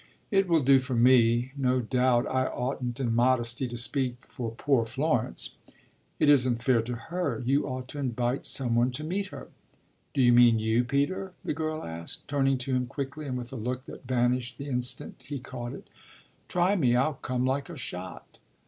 "It will do for me. No doubt I oughtn't in modesty to speak for poor Florence." "It isn't fair to her; you ought to invite some one to meet her." "Do you mean you, Peter?" the girl asked, turning to him quickly and with a look that vanished the instant he caught it. "Try me. I'll come like a shot."